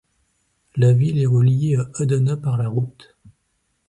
La ville est reliée à Adana par la route.